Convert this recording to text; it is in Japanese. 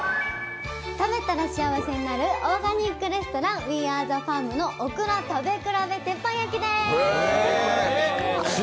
食べたら幸せになるオーガニックレストランＷＥＡＲＥＴＨＥＦＡＲＭのオクラ食べ比べ鉄板焼きです。